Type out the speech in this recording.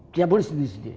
saya boleh sendiri sendiri